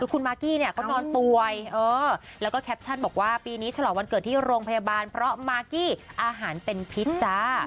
คุณมากกี้เนี่ยเขานอนป่วยแล้วก็แคปชั่นบอกว่าปีนี้ฉลองวันเกิดที่โรงพยาบาลเพราะมากกี้อาหารเป็นพิษจ้า